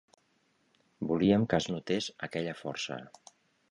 Volíem que es notés aquella força.